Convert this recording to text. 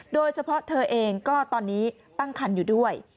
โดยเฉพาะเธอเองก็ตอนนี้ตั้งคันอยู่ด้วย